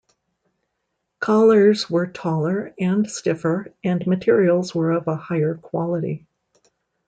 Collars were taller and stiffer and materials were of a higher quality.